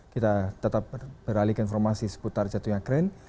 kita tetap beralihkan informasi seputar jatuhnya keren